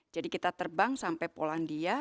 jadi kita terbang sampai polandia